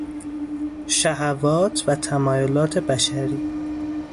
شهوات و تمایلات بشری